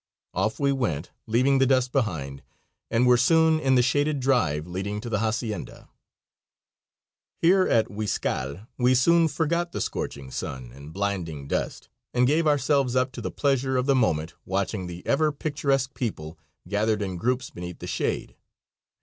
Off we went, leaving the dust behind, and were soon in the shaded drive leading to the hacienda. Here, at Huischal, we soon forgot the scorching sun and blinding dust and gave ourselves up to the pleasure of the moment, watching the ever picturesque people gathered in groups beneath the shade.